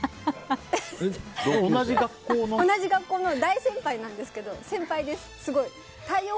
同じ学校の大先輩なんですけど。